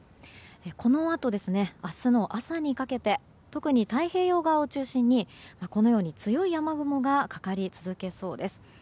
このあと、明日の朝にかけて特に太平洋側を中心に強い雨雲がかかり続けそうです。